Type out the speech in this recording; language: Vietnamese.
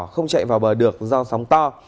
không chạy vào bờ được do sóng to